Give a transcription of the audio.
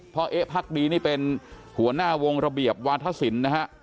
เพราะเอ๊ะพักดีเป็นหัวหน้าวงระเบียบวาธสินนะคะ